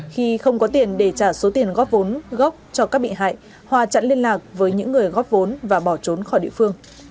khi không có tiền để trả số tiền góp vốn gốc cho các bị hại hòa chặn liên lạc với những người góp vốn và bỏ trốn khỏi địa phương